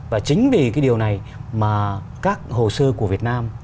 và chính vì cái điều này mà các hồ sơ của việt nam